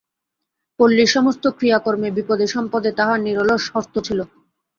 পল্লীর সমস্ত ক্রিয়াকর্মে বিপদে সম্পদে তাঁহার নিরলস হস্ত ছিল।